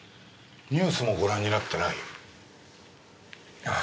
ニュースもご覧になってない？